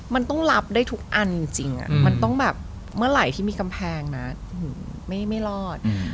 มันต้องรับได้ทุกอันจริงมันต้องแบบเมื่อไหร่ที่มีกำแพงนะไม่รอด